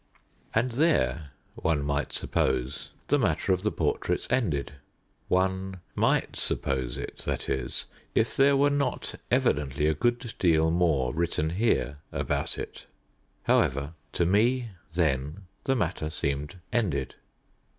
And there, one might suppose, the matter of the portraits ended. One might suppose it, that is, if there were not evidently a good deal more written here about it. However, to me, then, the matter seemed ended.